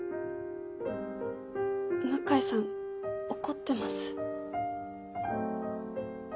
向井さん怒ってます？